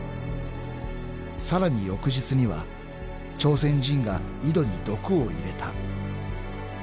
［さらに翌日には「朝鮮人が井戸に毒を入れた」］